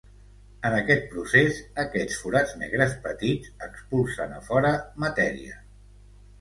En aquest procés, aquests forats negres petits expulsen a fora matèria.